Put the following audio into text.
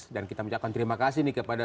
dan kita mengucapkan terima kasih nih kepada